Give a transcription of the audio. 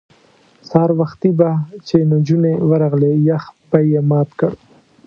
سهار وختي به چې نجونې ورغلې یخ به یې مات کړ.